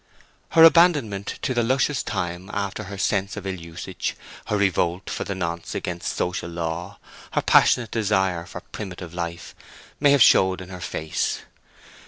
Her abandonment to the luscious time after her sense of ill usage, her revolt for the nonce against social law, her passionate desire for primitive life, may have showed in her face.